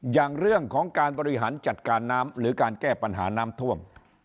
อย่างเรื่องของการบริหารจัดการน้ำหรือการแก้ปัญหาน้ำท่วม